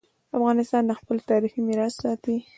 افغانان خپل تاریخي میراث ساتي.